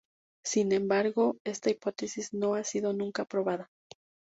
Sin embargo, esta hipótesis no ha sido nunca probada.